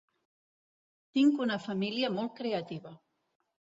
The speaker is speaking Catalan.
Tinc una família molt creativa.